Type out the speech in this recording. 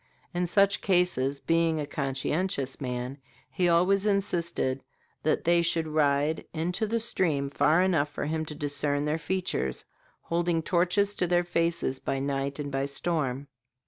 In such cases, being a conscientious man, he always insisted that they should ride into the stream far enough for him to discern their features, holding torches to their faces by night and by storm.